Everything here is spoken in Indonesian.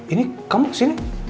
ini kamu kesini